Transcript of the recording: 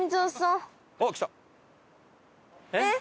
えっ！